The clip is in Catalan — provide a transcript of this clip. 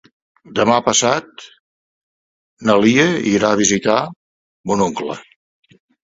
Demà passat na Lia irà a visitar mon oncle.